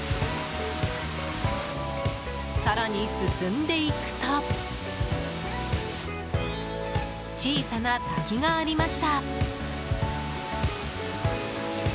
更に進んでいくと小さな滝がありました。